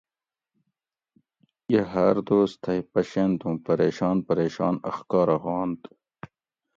یہ باۤر دوس تھی پشینت اوں پریشان پریشان اخکارہ ہوانت